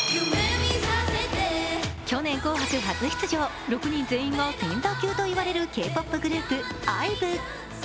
去年「紅白」初出場、６人全員がセンター級と言われるＫ−ＰＯＰグループ・ＩＶＥ。